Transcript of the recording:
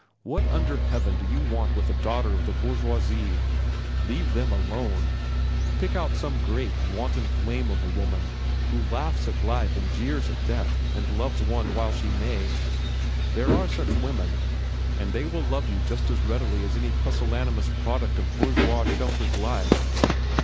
What under heaven do you want with a daughter of the bourgeoisie? Leave them alone. Pick out some great, wanton flame of a woman, who laughs at life and jeers at death and loves one while she may. There are such women, and they will love you just as readily as any pusillanimous product of bourgeois sheltered life."